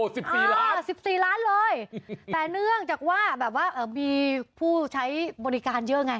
สิบสี่ล้านเออสิบสี่ล้านเลยแต่เนื่องจากว่าแบบว่าเอ่อมีผู้ใช้บริการเยอะไง